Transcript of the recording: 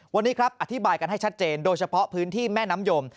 วันนี้ครับอธิบายกันให้ชัดเจนโดยเฉพาะพื้นที่แม่น้ำยม